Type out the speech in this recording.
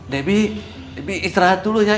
debbie istirahat dulu ya